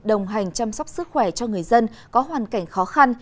đồng hành chăm sóc sức khỏe cho người dân có hoàn cảnh khó khăn